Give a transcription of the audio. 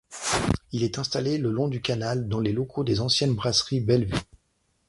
Il est installé le long du canal dans les locaux des anciennes brasseries Belle-Vue.